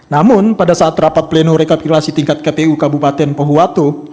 namun pada saat rapat pleno rekapitulasi tingkat kpu kabupaten pohuwato